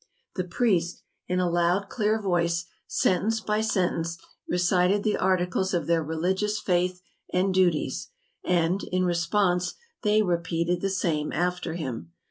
The priest, in a loud, clear voice, sentence by sentence, recited the articles of their religious faith and duties, and, in response, they repeated the same after him.